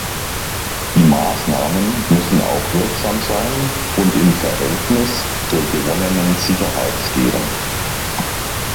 Die Maßnahmen müssen auch wirksam sein und im Verhältnis zur gewonnenen Sicherheit stehen.